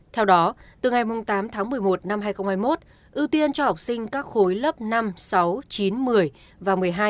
theo đó từ ngày tám tháng một mươi một năm hai nghìn hai mươi một ưu tiên cho học sinh các khối lớp năm sáu chín một mươi và một mươi hai